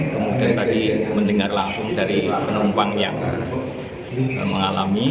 kemudian tadi mendengar langsung dari penumpang yang mengalami